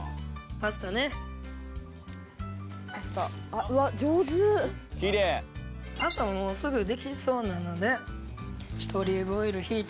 パスタももうすぐできそうなので。